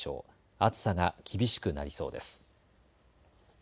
暑さが厳しくなりそうです。